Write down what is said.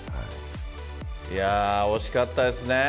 いやー、惜しかったですね。